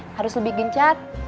harus lebih gencat